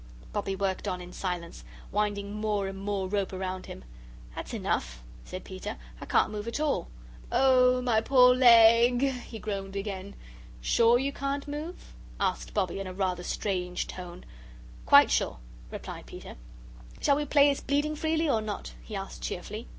Bobbie worked on in silence, winding more and more rope round him. "That's enough," said Peter. "I can't move at all. Oh, my poor leg!" He groaned again. "SURE you can't move?" asked Bobbie, in a rather strange tone. "Quite sure," replied Peter. "Shall we play it's bleeding freely or not?" he asked cheerfully.